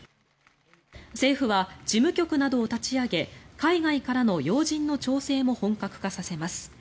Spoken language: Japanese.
政府は事務局などを立ち上げ海外からの要人の調整も本格化させます。